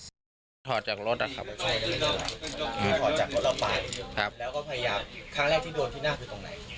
ถอดจากรถอะครับถอดจากรถเราปลาครับแล้วก็พยายามครั้งแรกที่โดนที่หน้าไปตรงไหน